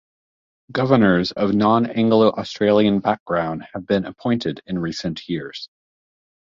Governors of non-Anglo-Australian background have been appointed in recent years.